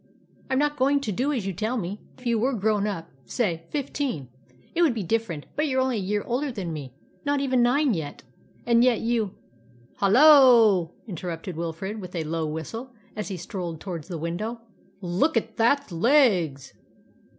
"I'm not going to do as you tell me. If you were grown up say fifteen it would be different; but you're only a year older than me not even nine yet and yet you " "Halloa!" interrupted Wilfrid with a low whistle, as he strolled towards the window. "Look at that's legs."